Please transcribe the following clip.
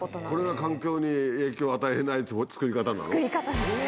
これが環境に影響を与えない造り方なの？